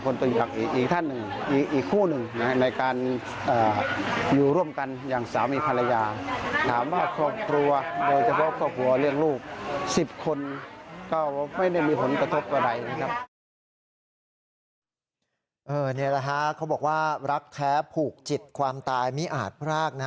นี่แหละฮะเขาบอกว่ารักแท้ผูกจิตความตายมิอาจพรากนะ